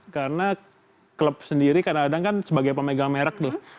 karena klub sendiri kadang kadang kan sebagai pemegang merek tuh